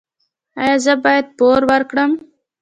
ایا زه باید پور ورکړم؟